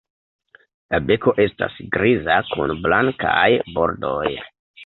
La beko estas griza kun blankaj bordoj.